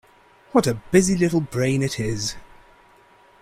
What a busy little brain it is.